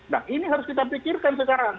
nah ini harus kita pikirkan sekarang